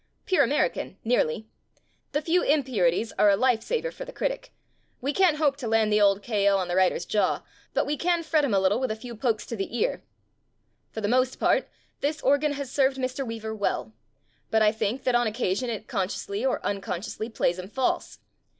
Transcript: Pure American, nearly. The few impurities are a lifesaver for the critic. We can't hope to land the old K. 0. on the writer's jaw, but we can fret him a little with a few pokes to the ear. For the most part this organ has served Mr. Weaver well. But I think that on occasion it consciously or un consciously plays him false.